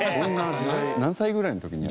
何歳ぐらいの時に？